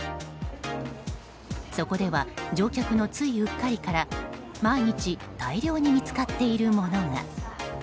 そこでは乗客のついうっかりから毎日大量に見つかっているものが。